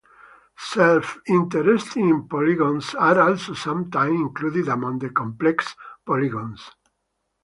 Self-intersecting polygons are also sometimes included among the complex polygons.